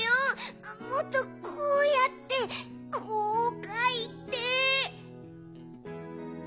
もっとこうやってこうかいて。